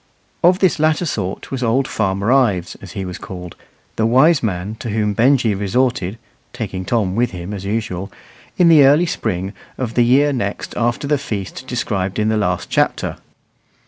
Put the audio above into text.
Of this latter sort was old Farmer Ives, as he was called, the "wise man" to whom Benjy resorted (taking Tom with him as usual), in the early spring of the year next after the feast described in the last chapter.